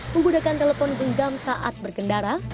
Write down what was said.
menggunakan telepon benggam saat bergendara